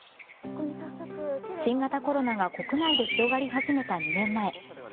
新型コロナが国内で広がり始めた２年前。